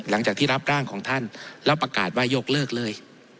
หลังจากที่รับร่างของท่านแล้วประกาศว่ายกเลิกเลย